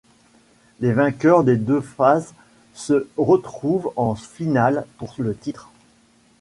Les vainqueurs des deux phases se retrouvent en finale pour le titre.